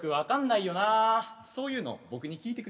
そういうの僕に聞いてくれる？